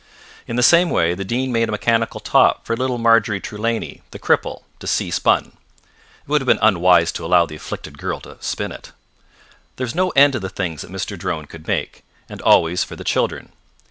In the same way the Dean made a mechanical top for little Marjorie Trewlaney, the cripple, to see spun: it would have been unwise to allow the afflicted girl to spin it. There was no end to the things that Mr. Drone could make, and always for the children.